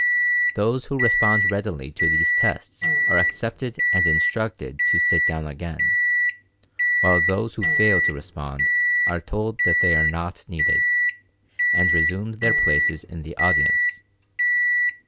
Those who respond readily to these tests are accepted and instructed to sit down again, while those who fail to respond are told that they are not needed, and resume their places in the audience.